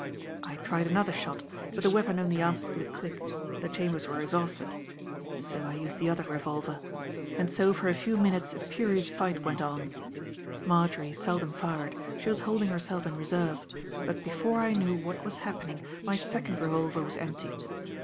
I tried another shot; but the weapon only answered with a click; the chambers were exhausted. So I used the other revolver. And so for a few minutes a furious fight went on. Marjory seldom fired, she was holding herself in reserve; but before I knew what was happening my second revolver was empty.